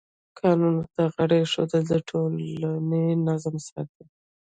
قانون ته غاړه ایښودل د ټولنې نظم ساتي.